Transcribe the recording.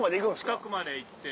近くまで行って。